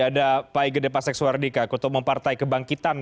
ada pak gedepasek suwardika kutu mempartai kebangkitan